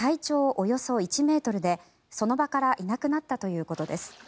およそ１ｍでその場からいなくなったということです。